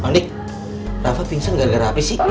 eh mandi rafa pingsan gara gara api sih